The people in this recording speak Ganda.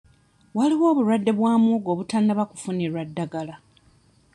Waliwo obulwadde bwa muwogo obutannaba kufunirwa ddagala.